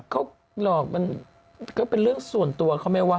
เขาหลอกมันก็เป็นเรื่องส่วนตัวเขาไหมวะ